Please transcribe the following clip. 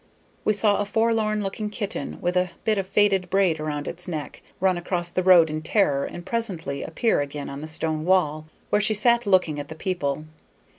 We saw a forlorn looking kitten, with a bit of faded braid round its neck, run across the road in terror and presently appear again on the stone wall, where she sat looking at the people.